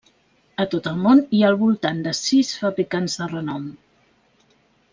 A tot el món hi ha al voltant de sis fabricants de renom.